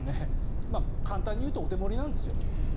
簡単に言えばお手盛りなんですよ。